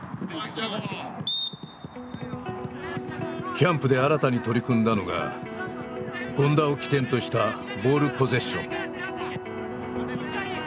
キャンプで新たに取り組んだのが権田を起点としたボールポゼッション。